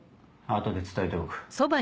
後で伝えておく。